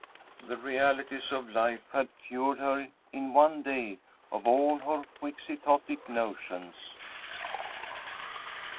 The realities of life had cured her in one day of all her Quixotic notions.